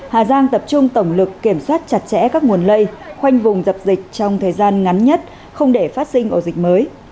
hà giang tập trung tổng lực kiểm soát chặt chẽ các nguồn lây khoanh vùng dập dịch trong thời gian ngắn nhất không để phát sinh ổ dịch mới